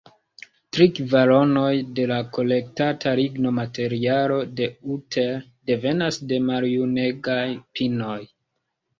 Tri kvaronoj de la kolektata lignomaterialo de Utter devenas de maljunegaj pinoj.